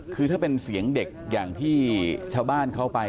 คือถ้าเป็นเสียงเด็กอย่างที่ชาวบ้านเขาไป